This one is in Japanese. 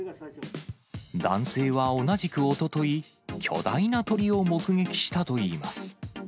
男性は同じくおととい、巨大な鳥を目撃したといいます。